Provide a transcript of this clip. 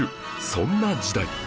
そんな時代